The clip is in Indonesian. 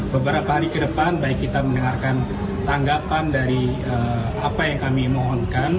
beberapa hari ke depan baik kita mendengarkan tanggapan dari apa yang kami mohonkan